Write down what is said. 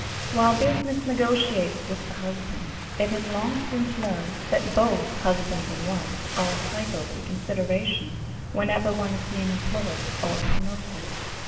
While business negotiates with the husband, it has long since learned that both husband and wife are entitled to consideration whenever one is being employed or promoted.